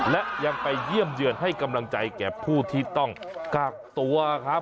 และยังไปเยี่ยมเยือนให้กำลังใจแก่ผู้ที่ต้องกักตัวครับ